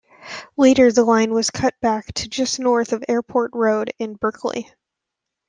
Later the line was cut back to just north of Airport Road in Berkeley.